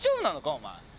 お前。